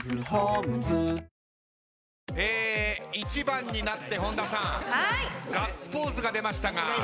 １番になって本田さんガッツポーズが出ましたが。